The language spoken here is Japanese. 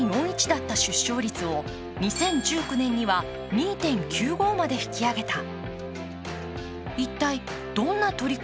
１．４１だった出生率を２０１９年には２．９５まで引き上げた。